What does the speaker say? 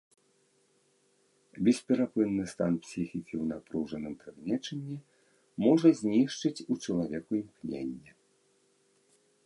Бесперапынны стан псіхікі ў напружаным прыгнечанні можа знішчыць у чалавеку імкненне.